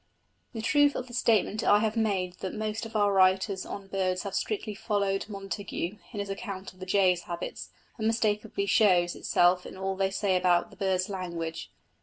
The truth of the statement I have made that most of our writers on birds have strictly followed Montague in his account of the jay's habits, unmistakably shows itself in all they say about the bird's language.